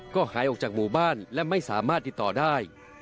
ก็หายออกจากหมู่บ้านและไม่สามารถติดต่อได้